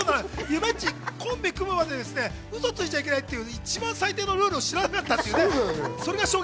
コンビ組む前までウソをついちゃいけないという最低のルールを知らなかったという。